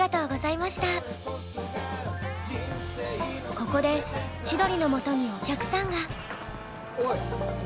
ここで千鳥のもとにお客さんが。